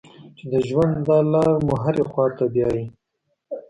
چې د ژوند دا لاره مو هرې خوا ته بیايي.